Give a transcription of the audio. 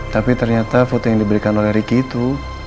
tapi ternyata foto yang diberikan oleh ricky itu